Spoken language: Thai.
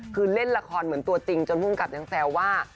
คือเล่นละครเหมือนตัวจริงจนภูมิกับยังแซวว่า